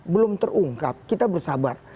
belum terungkap kita bersabar